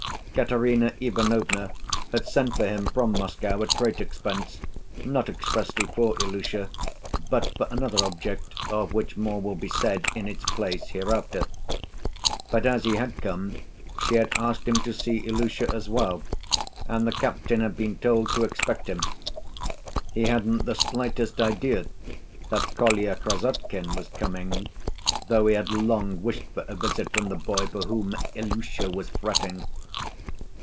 Katerina Ivanovna had sent for him from Moscow at great expense, not expressly for Ilusha, but for another object of which more will be said in its place hereafter. But, as he had come, she had asked him to see Ilusha as well, and the captain had been told to expect him. He hadn't the slightest idea that Kolya Krassotkin was coming, though he had long wished for a visit from the boy for whom Ilusha was fretting.